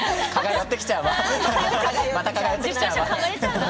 また蚊が寄ってきちゃうわ。